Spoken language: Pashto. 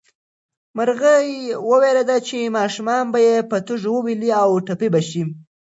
مرغۍ وېرېده چې ماشومان به یې په تیږو وولي او ټپي به شي.